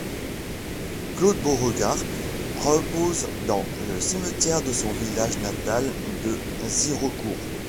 Claude Beauregard repose dans le cimetière de son village natal de Xirocourt.